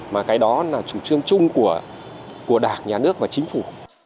mà cái đó là chủ trương chung của đảng nhà nước và chính phủ